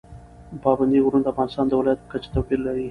پابندی غرونه د افغانستان د ولایاتو په کچه توپیر لري.